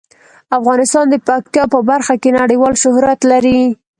افغانستان د پکتیا په برخه کې نړیوال شهرت لري.